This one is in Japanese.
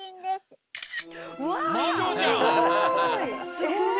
すごい！